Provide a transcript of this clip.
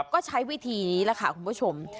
ก็ใช้วิธีนี้แหละค่ะคุณผู้ชม